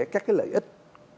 các cái lợi ích